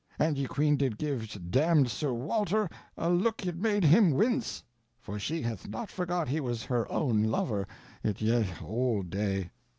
And ye quene did give ye damn'd Sr. Walter a look yt made hym wince for she hath not forgot he was her own lover it yt olde day.